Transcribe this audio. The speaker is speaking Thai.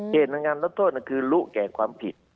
เหตุของการลดโทษนั่นคือลุแก่ความผิด